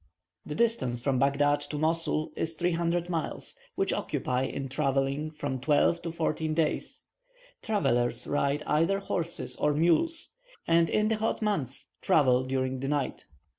The distance from Baghdad to Mosul is 300 miles, which occupy in travelling from twelve to fourteen days. Travellers ride either horses or mules, and in the hot months travel during the night.